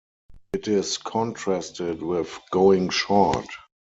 It is contrasted with "going short".